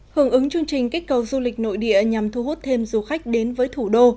hưởng ứng chương trình kích cầu du lịch nội địa nhằm thu hút thêm du khách đến với thủ đô